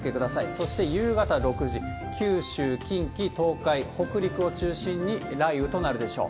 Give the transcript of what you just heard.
そして夕方６時、九州、近畿、東海、北陸を中心に雷雨となるでしょう。